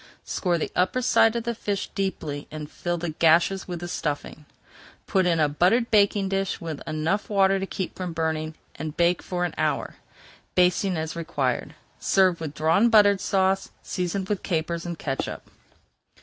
Score the upper side of the fish deeply and fill the gashes with the stuffing. Put in a buttered baking pan with enough water to keep from burning, and bake for an hour, basting as required. Serve with Drawn Butter Sauce, seasoned with capers and catsup.